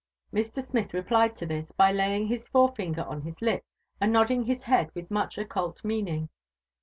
Mr. Smith replied to this by laying his forefinger on his Up, and nodding his head with much occult meaning.